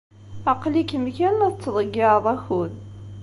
Aql-ikem kan la tettḍeyyiɛed akud.